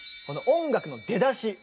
この音楽の出だし。